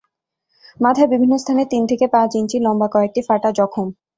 মাথার বিভিন্ন স্থানে তিন থেকে পাঁচ ইঞ্চি লম্বা কয়েকটি ফাটা জখম।